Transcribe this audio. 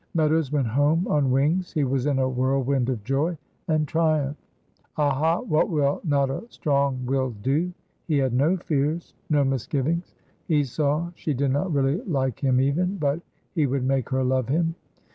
Meadows went home on wings he was in a whirlwind of joy and triumph. "Aha! what will not a strong will do?" He had no fears, no misgivings. He saw she did not really like him even, but he would make her love him!